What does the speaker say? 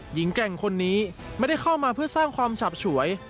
แก่งคนนี้ไม่ได้เข้ามาเพื่อสร้างความฉับฉวย